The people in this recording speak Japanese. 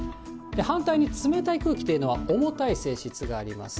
反対に冷たい空気というのは、重たい性質があります。